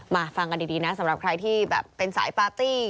มาฟังกันดีนะสำหรับใครที่แบบเป็นสายปาร์ตี้